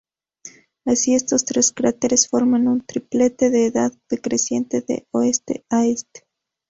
Así, estos tres cráteres forman un triplete de edad decreciente de oeste a este.